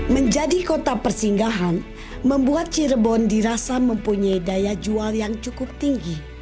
menjadi kota persinggahan membuat cirebon dirasa mempunyai daya jual yang cukup tinggi